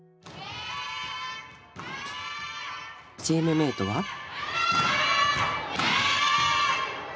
チームメイトは？